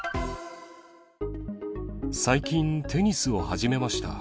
最近、テニスを始めました。